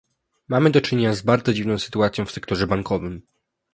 Mamy do czynienia z bardzo dziwną sytuacją w sektorze bankowym